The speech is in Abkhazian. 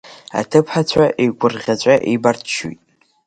Аҭыԥҳацәа игәырӷьаҵәа еибарччоит.